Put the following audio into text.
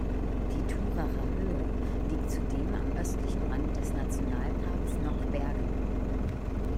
Die Turracher Höhe liegt zudem am östlichen Rand des Nationalparks Nockberge.